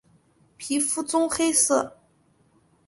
皮肤棕黑色。